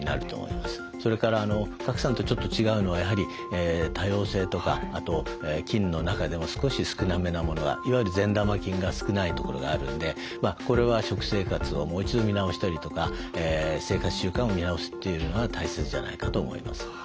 それから賀来さんとちょっと違うのはやはり多様性とかあと菌の中でも少し少なめなものがいわゆる善玉菌が少ないところがあるんでこれは食生活をもう一度見直したりとか生活習慣を見直すというのが大切じゃないかと思います。